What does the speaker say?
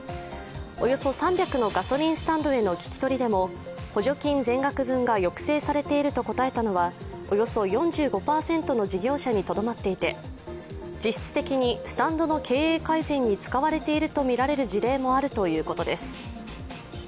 およそ３００のガソリンスタンドへの聞き取りでも補助金全額分が抑制されていると答えたのはおよそ４５％の事業者にとどまっていて実質的にスタンドの経営改善に使われているとみられる事例もあるということです。